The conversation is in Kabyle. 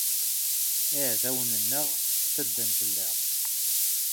Iɛdawen-nneɣ ttaḍdan fell-aɣ.